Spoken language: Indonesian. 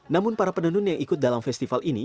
namun para penenun yang ikut dalam festival ini